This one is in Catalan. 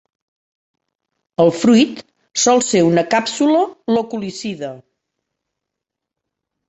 El fruit sol ser una càpsula loculicida.